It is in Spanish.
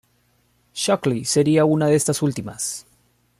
Shockley sería una de estas últimas.